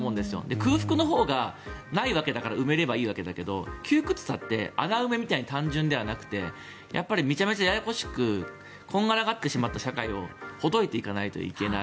空腹のほうがないわけだから埋めればいいわけだけど窮屈さって穴埋めみたいに単純ではなくてめちゃめちゃややこしくこんがらがってしまった社会をほどいていかないといけない。